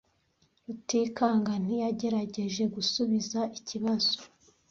Rutikanga ntiyagerageje gusubiza ikibazo.